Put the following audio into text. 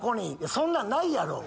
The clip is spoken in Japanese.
そんなんないやろ！